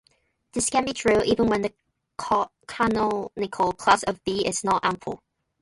This can be true even when the canonical class of "V" is not ample.